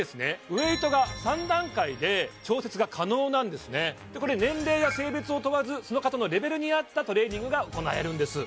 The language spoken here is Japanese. ウエイトが３段階で調節が可能なんですねでこれ年齢や性別を問わずその方のレベルに合ったトレーニングが行えるんです